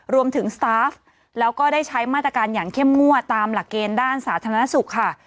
สตาฟแล้วก็ได้ใช้มาตรการอย่างเข้มงวดตามหลักเกณฑ์ด้านสาธารณสุขค่ะ